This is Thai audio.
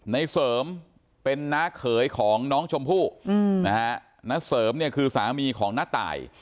ในเสริมเป็นน้าเขยของน้องชมพู่นะฮะณเสริมเนี่ยคือสามีของน้าตาย